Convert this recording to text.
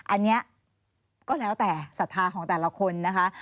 อันนี้ก็แล้วแต่ศรัทธาของแต่ละคนนะคะ